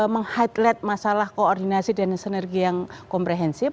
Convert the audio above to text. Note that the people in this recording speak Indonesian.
meng highlight masalah koordinasi dan sinergi yang komprehensif